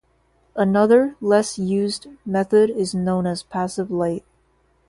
Another, less used, method is known as passive light.